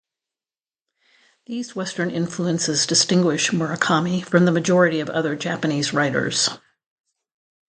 These Western influences distinguish Murakami from the majority of other Japanese writers.